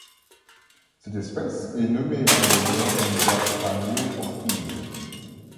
Cette espèce est nommée en l'honneur d'Afranio Ortiz.